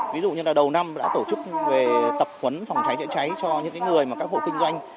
ví dụ như là đầu năm đã tổ chức về tập huấn phòng cháy chữa cháy cho những người mà các hộ kinh doanh